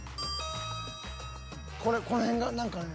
［これこの辺が何かね］